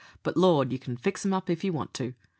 But, Lord, you can fix 'em up if you want to.